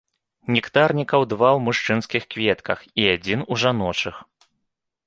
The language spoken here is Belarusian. Нектарнікаў два ў мужчынскіх кветках, і адзін у жаночых.